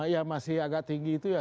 ya masih agak tinggi itu ya